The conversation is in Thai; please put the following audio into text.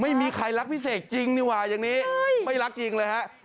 ไม่มีใครรักพี่เสกจริงนี่ว่าอย่างนี้ไม่รักจริงเลยฮะ